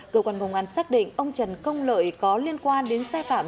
cơ quan công an xác định ông trần công lợi có liên quan đến sai phạm